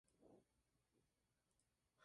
Es la cabecera del departamento Pte.